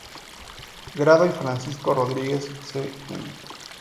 Grado y Francisco Rodríguez c.n.